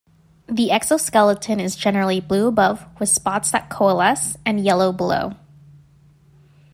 The exoskeleton is generally blue above, with spots that coalesce, and yellow below.